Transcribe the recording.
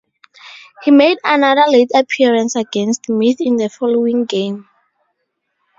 He made another late appearance against Meath in the following game.